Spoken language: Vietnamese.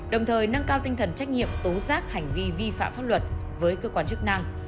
đồng thời nâng cao tinh thần trách nhiệm tố giác hành vi vi phạm pháp luật với cơ quan chức năng